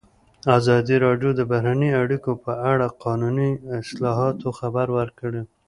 ازادي راډیو د بهرنۍ اړیکې په اړه د قانوني اصلاحاتو خبر ورکړی.